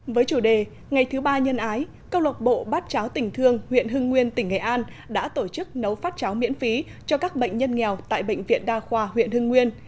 với chủ đề ngày thứ ba nhân ái câu lọc bộ bát cháo tỉnh thương huyện hưng nguyên tỉnh nghệ an đã tổ chức nấu phát cháo miễn phí cho các bệnh nhân nghèo tại bệnh viện đa khoa huyện hưng nguyên